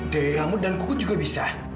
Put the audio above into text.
d rambut dan kuku juga bisa